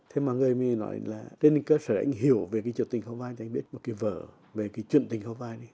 thế mọi người mới nói là trên cơ sở anh hiểu về cái triều tình khâu vai anh biết một cái vở về cái chuyện tình khâu vai